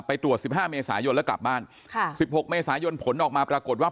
ไปตรวจสิบห้าเมษายนแล้วกลับบ้านค่ะสิบหกเมษายนผลออกมาปรากฏว่า